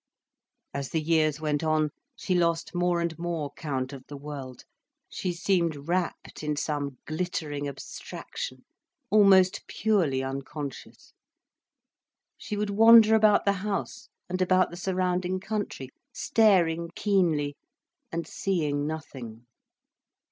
As the years went on, she lost more and more count of the world, she seemed rapt in some glittering abstraction, almost purely unconscious. She would wander about the house and about the surrounding country, staring keenly and seeing nothing.